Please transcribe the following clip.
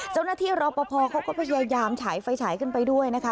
เจ้าหน้าที่รอพอเขาก็พยายามฉายไฟฉายขึ้นไปด้วยนะคะ